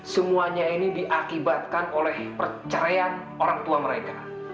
semuanya ini diakibatkan oleh perceraian orang tua mereka